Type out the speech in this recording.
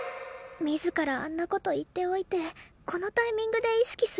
自らあんな事言っておいてこのタイミングで意識するなんて